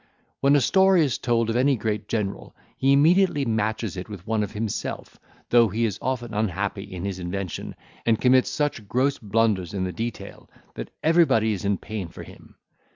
When a story is told of any great general, he immediately matches it with one of himself, though he is often unhappy in his invention, and commits such gross blunders in the detail, that everybody is in pain for him.